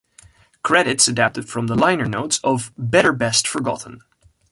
Credits adapted from the liner notes of "Better Best Forgotten".